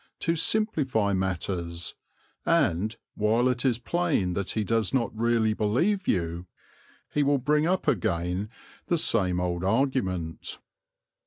to simplify matters, and, while it is plain that he does not really believe you, he will bring up again the same old argument.